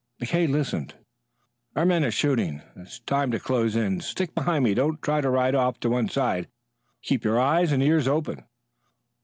McKay listened. "Our men are shooting. It's time to close in. Stick behind me. Don't try to ride off to one side. Keep your eyes and ears open."